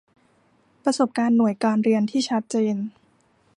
ประสบการณ์หน่วยการเรียนที่ชัดเจน